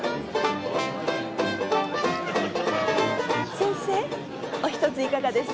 先生お１ついかがです？